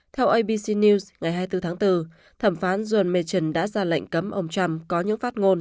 theo abc news ngày hai mươi bốn tháng bốn thẩm phán john meton đã ra lệnh cấm ông trump có những phát ngôn